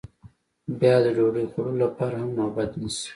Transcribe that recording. بیا د ډوډۍ خوړلو لپاره هم نوبت نیسي